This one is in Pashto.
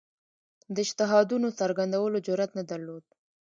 د اجتهادونو څرګندولو جرئت نه درلود